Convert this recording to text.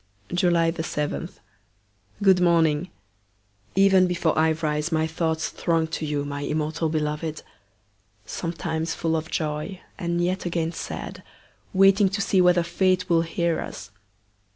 July 7. GOOD MORNING! Even before I rise, my thoughts throng to you, my immortal beloved! sometimes full of joy, and yet again sad, waiting to see whether Fate will hear us.